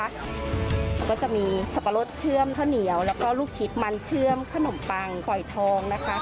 แล้วก็จะมีสับปะรดเชื่อมข้าวเหนียวแล้วก็ลูกชิดมันเชื่อมขนมปังกอยทองนะคะ